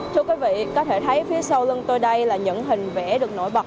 thưa quý vị có thể thấy phía sau lưng tôi đây là những hình vẽ được nổi bật